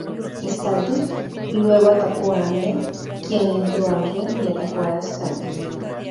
Stardust luego atacó a Amell, quien entró al ring y atacó a Stardust.